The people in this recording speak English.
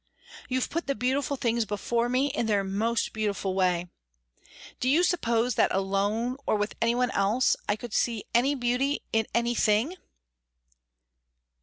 You've put the beautiful things before me in their most beautiful way. Do you suppose that alone, or with any one else, I could see any beauty in anything?